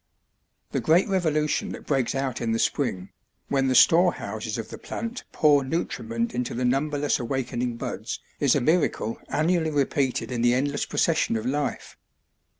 The great revolution that breaks out in the spring, when the store houses of the plant pour nutriment into the numberless awakening buds is a miracle annually repeated in the endless procession of life.